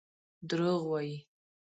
دروغ وايي.